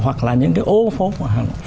hoặc là những cái ô phố của hà nội